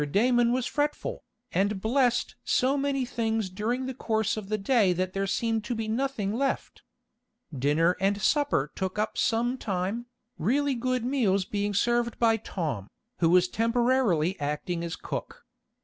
Damon was fretful, and "blessed" so many things during the course of the day that there seemed to be nothing left. Dinner and supper took up some time, really good meals being served by Tom, who was temporarily acting as cook.